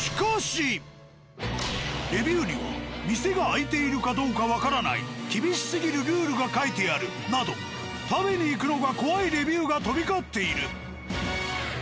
レビューには「店が開いているかどうかわからない」「厳しすぎるルールが書いてある」など食べに行くのが怖いレビューが飛び交っている。